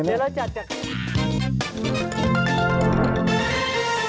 เดี๋ยวเราจัดกัน